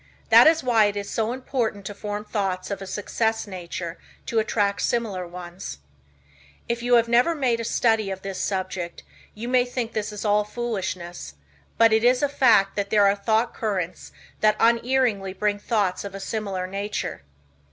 That is why it is so important to form thoughts of a success nature to attract similar ones. If you have never made a study of this subject, you may think this is all foolishness, but it is a fact that there are thought currents that unerringly bring thoughts of a similar nature.